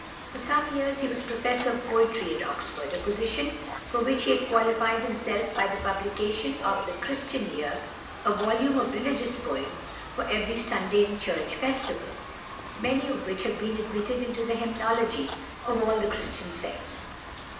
For some years he was Professor of Poetry at Oxford, a position for which he had qualified himself by the publication of the "Christian Year," a volume of religious poems for every Sunday and church festival, many of which have been admitted into the hymnology of all the Christian sects.